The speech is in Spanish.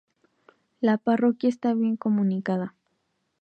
La parroquia está bien comunicada.